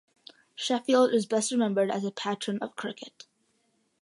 Sheffield is best remembered as a patron of cricket.